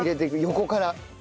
横から。